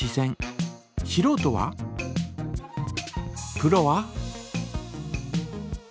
プロは？